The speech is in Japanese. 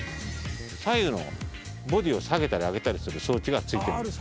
左右のボディーを下げたり上げたりする装置がついてるんです。